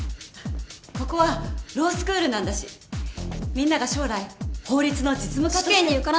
ここはロースクールなんだしみんなが将来法律の実務家として。